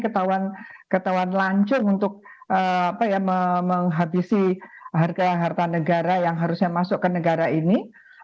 ketahuan ketahuan lancur untuk menghabisi harga harta negara yang harusnya masuk ke negara ini